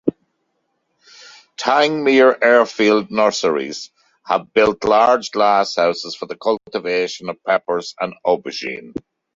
Tangmere Airfield Nurseries have built large glasshouses for the cultivation of peppers and aubergines.